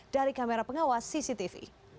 dari kamera pengawas cctv